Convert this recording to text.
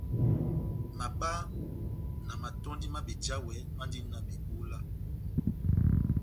Mabá na matɔ́ndi má bejawɛ mandini na bebúla.